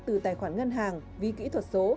từ tài khoản ngân hàng ví kỹ thuật số